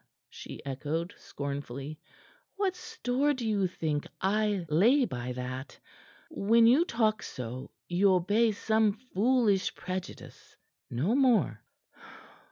she echoed scornfully. "What store do you think I lay by that? When you talk so, you obey some foolish prejudice; no more."